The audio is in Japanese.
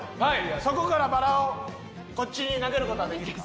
そこからバラをこっちに投げる事はできるか？